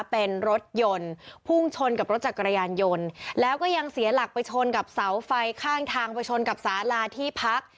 เป็นรถยนต์พุ่งชนกับรถจักรยานยนต์แล้วก็ยังเสียหลักไปชนกับเสาไฟข้างทางไปชนกับสาลาที่พัก